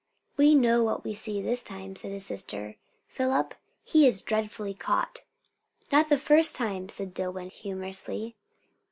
"We know what we see this time," said his sister. "Philip, he's dreadfully caught." "Not the first time?" said Dillwyn humorously.